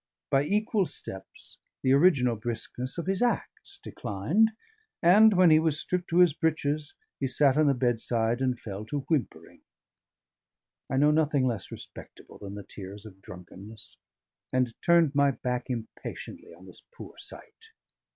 By equal steps, the original briskness of his acts declined; and when he was stripped to his breeches, he sat on the bedside and fell to whimpering. I know nothing less respectable than the tears of drunkenness, and turned my back impatiently on this poor sight.